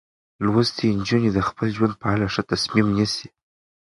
لوستې نجونې د خپل ژوند په اړه ښه تصمیم نیسي.